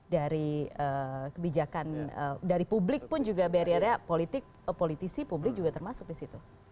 dari kebijakan dari publik pun juga barriernya politik politisi publik juga termasuk di situ